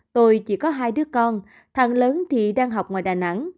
tôi chỉ có hai đứa con thằng lớn thì đang học ngoài đà nẵng